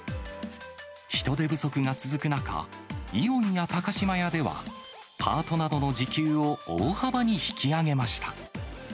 人手不足が続く中、イオンや高島屋では、パートなどの時給を大幅に引き上げました。